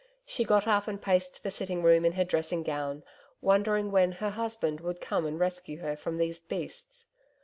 She got up and paced the sitting room in her dressing gown, wondering when her husband would come and rescue her from these beasts.